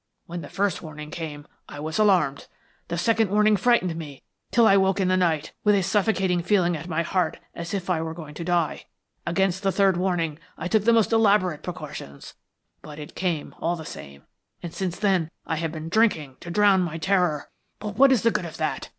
When the first warning came I was alarmed. The second warning frightened me till I woke in the night with a suffocating feeling at my heart as if I were going to die. Against the third warning I took the most elaborate precautions; but it came all the same, and since then I have been drinking to drown my terror. But what is the good of that?